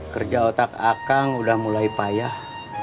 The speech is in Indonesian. kerja otak akang udah mulai payah